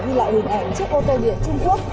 ghi lại hình ảnh chiếc ô tô điện trung quốc